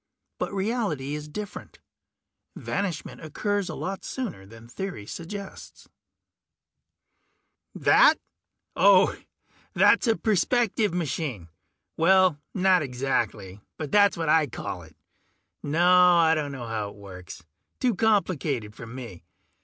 But reality is different; vanishment occurs a lot sooner than theory suggests ..._ Illustrated by Martinez That? Oh, that's a perspective machine. Well, not exactly, but that's what I call it. No, I don't know how it works. Too complicated for me.